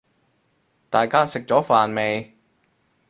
大家食咗飯未